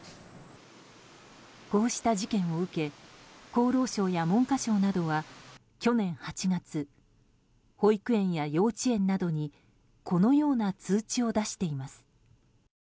こうした事件を受け厚労省や文科省などは去年８月、保育園や幼稚園などにこのような通知を出しています。